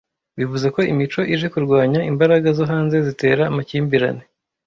bivuze ko imico ije kurwanya imbaraga zo hanze zitera amakimbirane